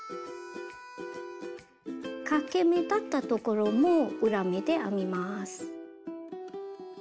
かけ目だったところも裏目で編みます。